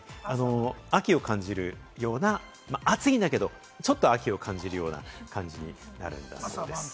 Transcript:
秋を感じるような、暑いんだけれども、ちょっと秋を感じるような感じになるんだそうです。